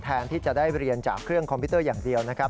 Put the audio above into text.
แทนที่จะได้เรียนจากเครื่องคอมพิวเตอร์อย่างเดียวนะครับ